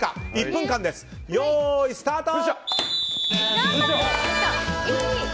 １分間です、スタート！